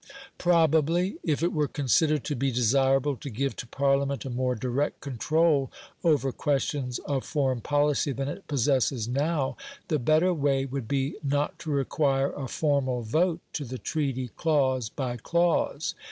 Probably, if it were considered to be desirable to give to Parliament a more direct control over questions of foreign policy than it possesses now, the better way would be not to require a formal vote to the treaty clause by clause.